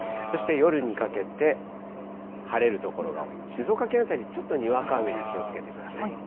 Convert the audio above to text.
そして夜にかけて晴れる所が、静岡県辺り、ちょっとにわか雨に気をつけてください。